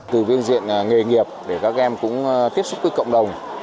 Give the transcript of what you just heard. từ viên diện nghề nghiệp để các em cũng tiếp xúc với cộng đồng